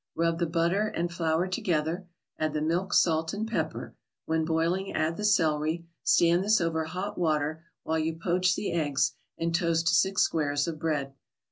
Rub the butter and flour together, add the milk, salt and pepper; when boiling add the celery; stand this over hot water while you poach the eggs and toast six squares of bread.